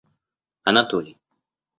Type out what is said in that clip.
Анатолий